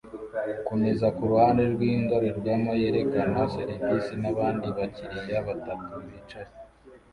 kumeza kuruhande rwindorerwamo yerekana seriveri nabandi bakiriya batatu bicaye